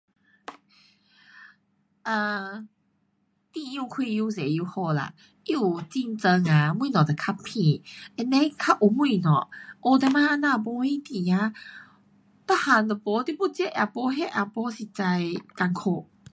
啊店越开越多越好啦，它有竞争啊，东西就较便。and then 较有东西，学上次这样没什店啊，每样都没，你要这也没，那也没，实在困苦。